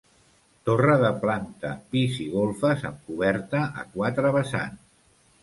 Torre de planta, pis i golfes amb coberta a quatre vessants.